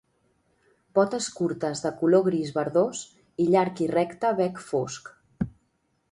Potes curtes de color gris verdós i llarg i recte bec fosc.